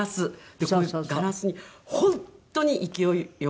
でこういうガラスに本当に勢いよく。